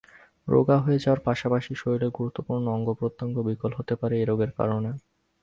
রোগা হয়ে যাওয়ার পাশাপাশি শরীরের গুরুত্বপূর্ণ অঙ্গ-প্রত্যঙ্গ বিকল হতে পারে এই রোগের কারণে।